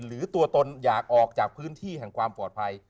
หรือตัวตนอยากออกจากพื้นที่แห่งความปลอดภัย